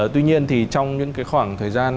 tuy nhiên thì trong những cái khoảng thời gian